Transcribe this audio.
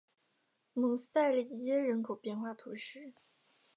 蒙塞里耶人口变化图示